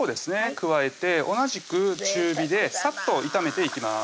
加えて同じく中火でサッと炒めていきます